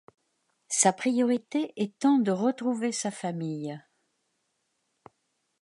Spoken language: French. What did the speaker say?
Sa priorité étant de retrouver sa famille.